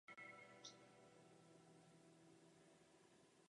Třetí syn Jan působil v Chrudimi a převzal otcovu firmu.